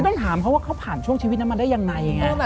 ต้องถามเขาว่าเขาผ่านช่วงชีวิตนั้นมาได้ยังไง